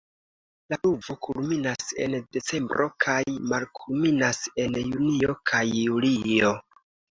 La pluvo kulminas en decembro kaj malkulminas en junio kaj julio.